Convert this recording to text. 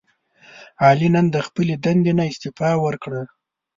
علي نن د خپلې دندې نه استعفا ورکړه.